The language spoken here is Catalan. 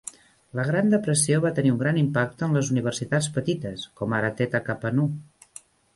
La Gran Depressió va tenir un gran impacte en les universitats petites com ara Theta Kappa Nu.